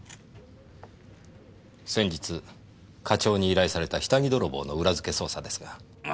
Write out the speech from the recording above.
先日課長に依頼された下着泥棒の裏付け捜査ですが。